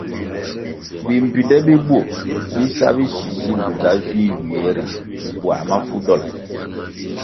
Bimbpinde bi bur bi sa bisisi lunda vih ywie ri puãh mafu dol.